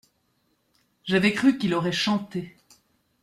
J’avais cru qu’il aurait chanté.